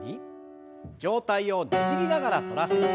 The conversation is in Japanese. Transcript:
上体をねじりながら反らせて。